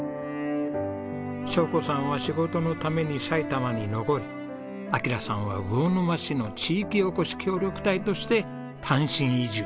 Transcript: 晶子さんは仕事のために埼玉に残り暁良さんは魚沼市の地域おこし協力隊として単身移住。